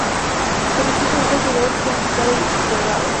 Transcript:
Su objetivo fue localizar y conquistar El Dorado.